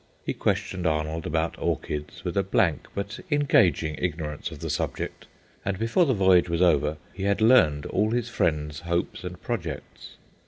He questioned Arnold about orchids with a blank but engaging ignorance of the subject, and before the voyage was over he had learned all his friend's hopes and projects.